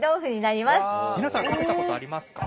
皆さん食べたことありますか？